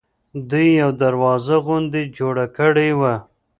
دوی یوه دروازه غوندې جوړه کړې وه.